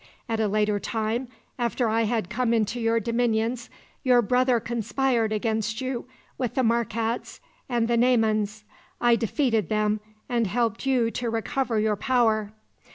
"At a later time, after I had come into your dominions, your brother conspired against you with the Markats and the Naymans. I defeated them, and helped you to recover your power.